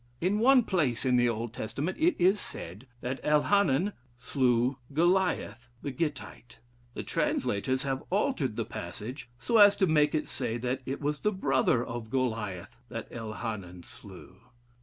In one place in the Old Testament it is said that Elhanan slew Goliath the Gittite. The translators have altered the passage so as to make it say that it was the brother of Goliath that Elhanan slew.